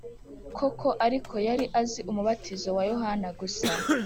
koko ariko yari azi umubatizo wa Yohana gusa